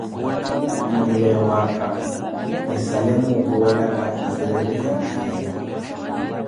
Mwihileevo apa, mwisale muupuwelaka siiretikhaniyeyo.